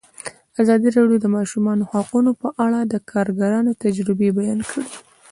ازادي راډیو د د ماشومانو حقونه په اړه د کارګرانو تجربې بیان کړي.